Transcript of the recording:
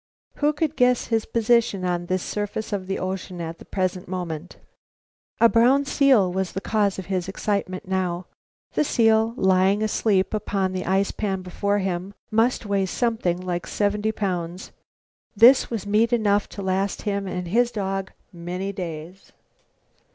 Who could guess his position on the surface of the ocean at the present moment? A brown seal was the cause of his excitement now. The seal, lying asleep upon the ice pan before him, must weigh something like seventy pounds. This was meat enough to last him and his dog many days.